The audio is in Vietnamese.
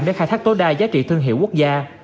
để khai thác tối đa giá trị thương hiệu quốc gia